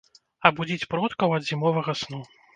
Абудзіць продкаў ад зімовага сну.